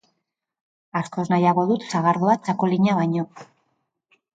Askoz nahiago dut sagardoa, txakolina baino.